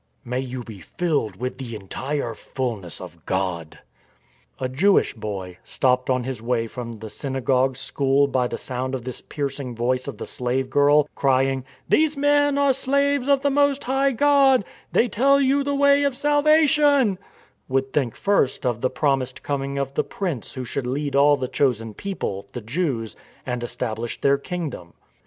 " May you be filled with the entire fullness of God." ' A Jewish boy, stopped on his way from the syna gogue school by the sound of this piercing voice of the slave girl, crying, These men are slaves of the Most High God ;" They tell you the way of salvation," would think first of the promised coming of the Prince who should lead all the chosen people, the Jews, and establish their kingdom.